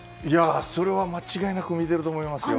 それは間違いなく見ていると思いますよ。